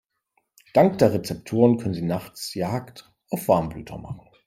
Dank der Rezeptoren können sie nachts Jagd auf Warmblüter machen.